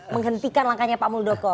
menghentikan langkahnya pak muldoko